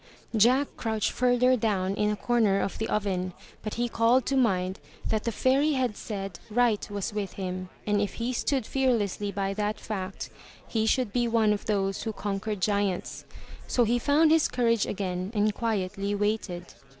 '' Jack crouched further down in a corner of the oven, but he called to mind that the Fairy had said Right was with him, and if he stood fearlessly by that fact, he should be one of those who conquered giants. So he found his courage again and quietly waited.